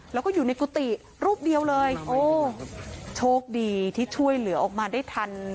แล้วก็อยู่ในกุฏิรูปเดียวเลยโอ้โชคดีที่ช่วยเหลือออกมาได้ทัน